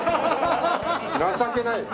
情けないよ！